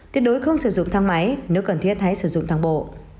tuyệt đối không sử dụng thang máy nếu cần thiết hãy sử dụng thang bộ